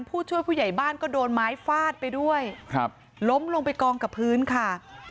ผู้ช่วยผู้ใหญ่บ้านก็โดนไม้ฟาดไปด้วยครับล้มลงไปกองกับพื้นค่ะ